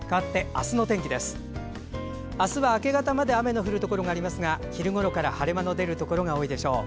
明日は明け方まで雨の降るところがありますが昼ごろから晴れ間の出るところが多いでしょう。